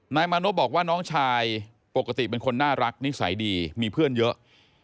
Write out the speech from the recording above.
นายมานพบอกว่าน้องชายปกติเป็นคนน่ารักนิสัยดีมีเพื่อนเยอะ